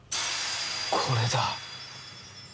これだ。